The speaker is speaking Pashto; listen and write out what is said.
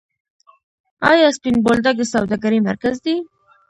آیا سپین بولدک د سوداګرۍ مرکز دی؟